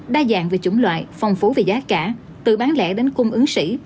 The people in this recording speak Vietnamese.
đa dạng về chủng loại phong phú về giá cả từ bán lẻ đến cung ứng sĩ